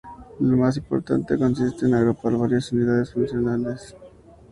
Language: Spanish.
La más importante consiste en agrupar varias unidades funcionales en zonas con características similares.